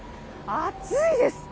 暑いです！